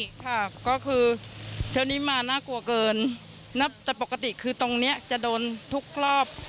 ใช่ค่ะก็คือเที่ยวนี้มาน่ากลัวเกินแต่ปกติคือตรงเนี้ยจะโดนทุกรอบ